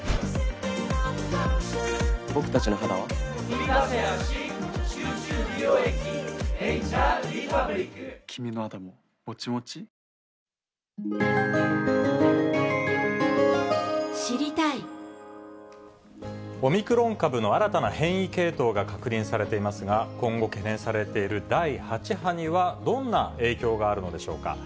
「お椀で食べるシリーズ」オミクロン株の新たな変異系統が確認されていますが、今後懸念されている第８波には、どんな影響があるのでしょうか。